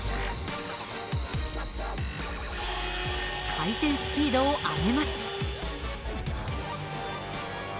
回転スピードを上げます。